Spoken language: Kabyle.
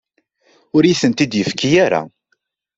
Ur yi-ten-id-yefki ara.